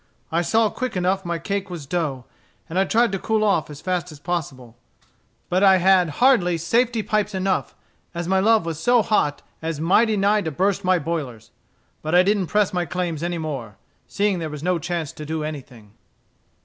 I saw quick enough my cake was dough; and I tried to cool off as fast as possible. But I had hardly safety pipes enough, as my love was so hot as mighty nigh to burst my boilers. But I didn't press my claims any more, seeing there was no chance to do anything."